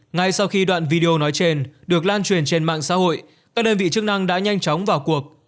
ngay sau khi đoạn video nói trên được lan truyền trên mạng xã hội các đơn vị chức năng đã nhanh chóng vào cuộc